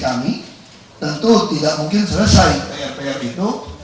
kami tentu tidak mungkin selesai pr pr itu